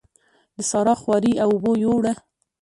د سارا خواري اوبو يوړه.